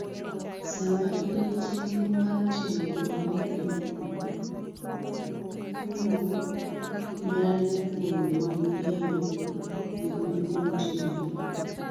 sama inigi chenro martimo gimoro endalo mabiro, bugno nyalo konyi ng'eyo gikmabiro timore .